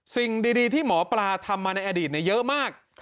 สิ่งดีที่หมอปลาทำมาในอดีตเยอะมาก